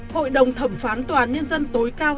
hội đồng thẩm phán toán nhân dân tối cao